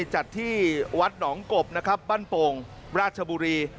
จัดที่วัดหนองกบนะครับบ้านโป่งราชบุรี